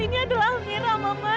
ini adalah mira mama